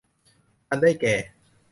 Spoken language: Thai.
อันได้แก่